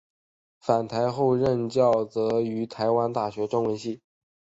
返台后任教则于台湾大学中文系。